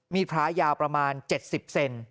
มีพล้ายาวประมาณ๗๐เซนติเซนติ